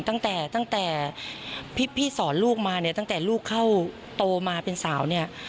ตั้งแต่ตั้งแต่พี่สอนลูกมาเนี่ยตั้งแต่ลูกเข้าโตมาเป็นสาวเนี่ย